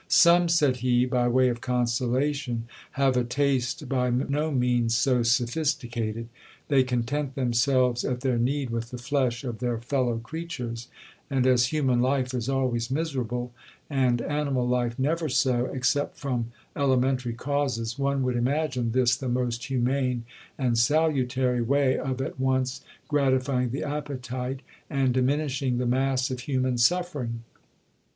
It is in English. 'Some,' said he, by way of consolation, 'have a taste by no means so sophisticated,—they content themselves at their need with the flesh of their fellow creatures; and as human life is always miserable, and animal life never so, (except from elementary causes), one would imagine this the most humane and salutary way of at once gratifying the appetite, and diminishing the mass of human suffering.